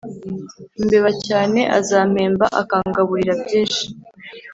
Imbeba cyane azampemba akangaburira byinshi